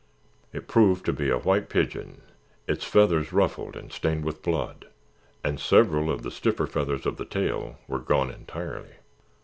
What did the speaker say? It proved to be a white pigeon, its feathers ruffled and stained with blood and several of the stiffer feathers of the tail were gone entirely.